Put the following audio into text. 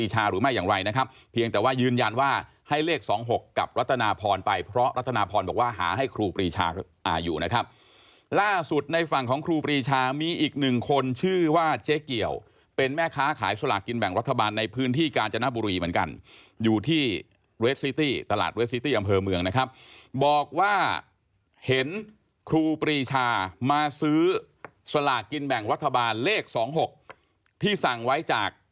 หรือไม่อย่างไรนะครับเพียงแต่ว่ายืนยันว่าให้เลข๒๖กับรัฐนาพรไปเพราะรัตนาพรบอกว่าหาให้ครูปรีชาอยู่นะครับล่าสุดในฝั่งของครูปรีชามีอีกหนึ่งคนชื่อว่าเจ๊เกี่ยวเป็นแม่ค้าขายสลากกินแบ่งรัฐบาลในพื้นที่กาญจนบุรีเหมือนกันอยู่ที่เรสซิตี้ตลาดเวสซิตี้อำเภอเมืองนะครับบอกว่าเห็นครูปรีชามาซื้อสลากกินแบ่งรัฐบาลเลข๒๖ที่สั่งไว้จาก